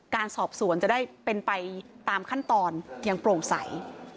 การสอบสวนจะได้เป็นไปตามขั้นตอนอย่างโปร่งใส